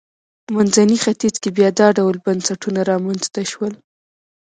منځني ختیځ کې بیا دا ډول بنسټونه رامنځته شول.